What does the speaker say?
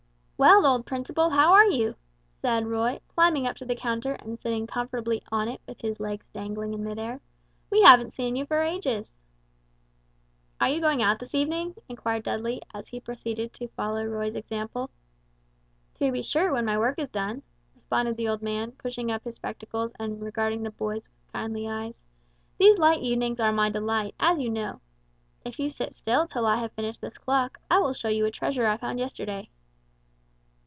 "Well, old Principle, how are you?" said Roy, climbing up to the counter and sitting comfortably on it with his legs dangling in mid air; "we haven't seen you for ages." "Are you going out this evening?" enquired Dudley, as he proceeded to follow Roy's example. "To be sure, when my work is done," responded the old man pushing up his spectacles and regarding the boys with kindly eyes; "these light evenings are my delight, as you know. If you sit still till I have finished this clock, I will show you a treasure I found yesterday."